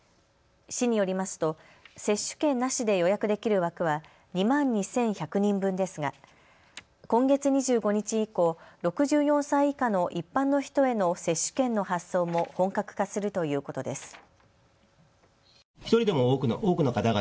市によりますと接種券なしで予約できる枠は２万２１００人分ですが今月２５日以降、６４歳以下の一般の人への接種券の発送も本格化するということです。